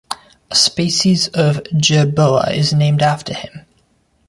A species of jerboa is named after him.